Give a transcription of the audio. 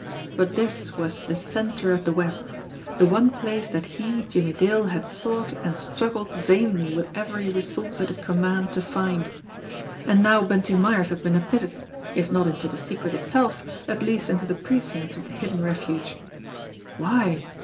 But this was the centre of the web, the one place that he, Jimmie Dale, had sought and struggled vainly with every resource at his command to find. And now Bunty Myers had been admitted, if not into the secret itself, at least into the precincts of the hidden refuge. Why?